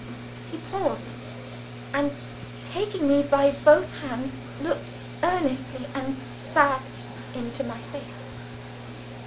He paused; and taking me by both hands, looked earnestly and sadly into my face.